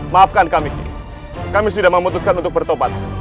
maafkan kami kami sudah memutuskan untuk bertobat